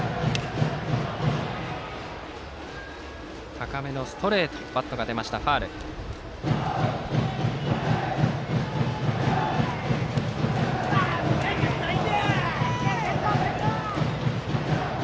高めのストレートにバットが出てファウルでした。